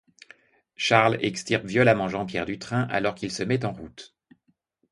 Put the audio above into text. Charles extirpe violemment Jean-Pierre du train alors qu'il se met en route.